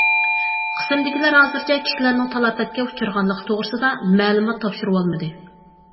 قىسىمدىكىلەر ھازىرچە كىشىلەرنىڭ تالاپەتكە ئۇچرىغانلىقى توغرىسىدا مەلۇمات تاپشۇرۇۋالمىدى.